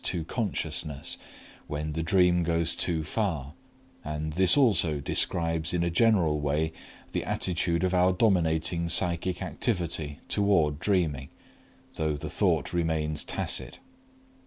to consciousness when the dream goes too far; and this also describes in a general way the attitude of our dominating psychic activity toward dreaming, though the thought remains tacit.